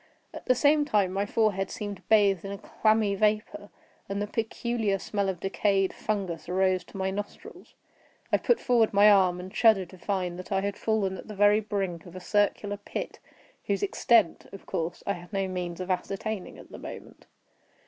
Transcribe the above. At the same time my forehead seemed bathed in a clammy vapor, and the peculiar smell of decayed fungus arose to my nostrils. I put forward my arm, and shuddered to find that I had fallen at the very brink of a circular pit, whose extent, of course, I had no means of ascertaining at the moment.